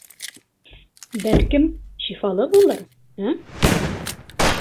Бәлкем, шифалы булыр, ә?